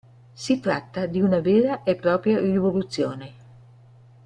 Si tratta di una vera e propria rivoluzione.